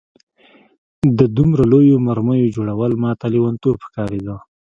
د دومره لویو مرمیو جوړول ماته لېونتوب ښکارېده